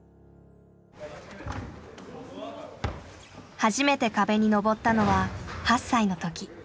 初めて壁に登ったのは８歳の時。